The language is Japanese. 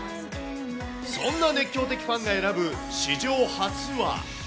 そんな熱狂的ファンが選ぶ史上初は。